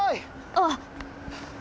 あっ。